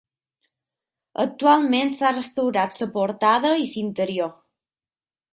Actualment s'ha restaurat la portada i l'interior.